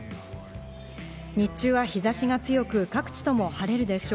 日中は日差しが強く、各地とも晴れるでしょう。